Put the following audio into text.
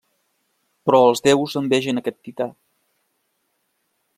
Però els déus envegen aquest tità.